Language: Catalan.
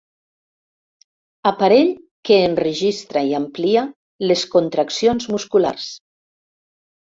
Aparell que enregistra i amplia les contraccions musculars.